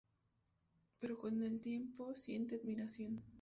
Pero con el tiempo siente admiración.